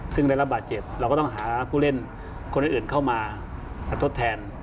ซึ่งได้รับบาดเจ็บเราก็ต้องหาผู้เล่นคนอื่นเข้ามาทดแทน